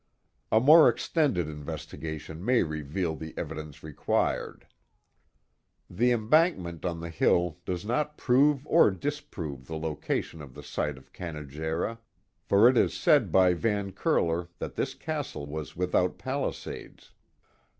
A more extended investigation may reveal the evidence required. The embankment on the hill does not prove or disprove the location of the site of Canagera, for it is said by Van Cur ler that this castle was without palisades.